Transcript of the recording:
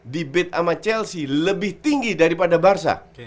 di bid sama chelsea lebih tinggi daripada barca